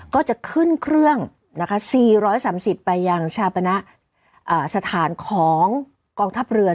ก็จะขึ้นเครื่อง๔๓๐ไปยังชาปณะสถานของกองทัพเรือ